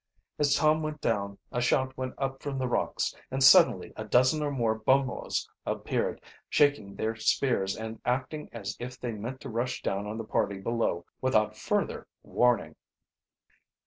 As Tom went down, a shout went up from the rocks, and suddenly a dozen or more Bumwos appeared, shaking their spears and acting as if they meant to rush down on the party below without further warning.